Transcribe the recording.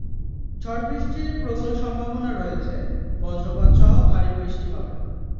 ঝড়বৃষ্টির প্রবল সম্ভাবনা রয়েছে, বজ্রপাত সহ ভারি বৃষ্টি হবে।